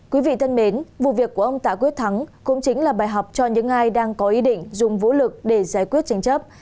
quý vị thân mến vụ việc của ông tạ quyết thắng cũng chính là bài học cho những ai đang có ý định dùng vũ lực để giải quyết tranh chấp